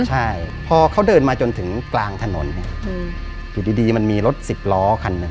ใช่พอเขาเดินมาจนถึงกลางถนนอยู่ดีมันมีรถสิบล้อคันหนึ่ง